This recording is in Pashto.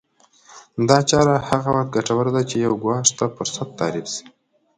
دا چاره هغه وخت ګټوره ده چې يو ګواښ ته فرصت تعريف شي.